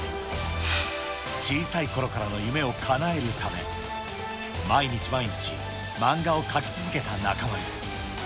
小さいころからの夢をかなえるため、毎日毎日、漫画を描き続けた中丸。